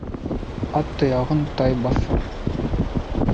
Ат тояғын тай баҫыр.